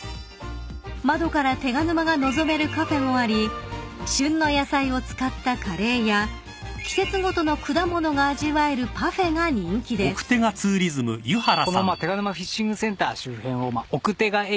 ［窓から手賀沼が望めるカフェもあり旬の野菜を使ったカレーや季節ごとの果物が味わえるパフェが人気です］という思いでやってます。